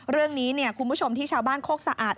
เรื่องนี้คุณผู้ชมที่ชาวบ้านโคกสะอาด